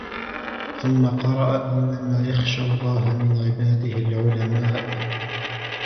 ثُمَّ قَرَأَ إنَّمَا يَخْشَى اللَّهَ مِنْ عِبَادِهِ الْعُلَمَاءُ